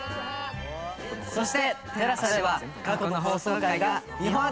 そしてＴＥＬＡＳＡでは過去の放送回が見放題です！